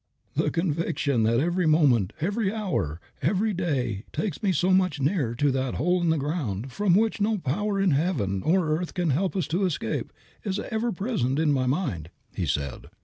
"The conviction that every moment, every hour, every day takes me so much nearer to that hole in the ground from which no power in Heaven or earth can help us to escape is ever present in my mind," he said.